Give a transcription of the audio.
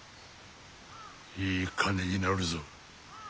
いい金になるぞ。